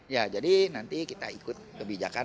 ya jadi nanti kita ikut kebijakan